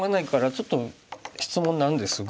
ちょっと質問なんですが。